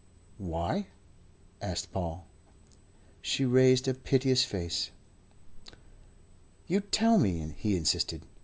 "Why?" asked Paul. She raised a piteous face. "Yes, tell me," he insisted.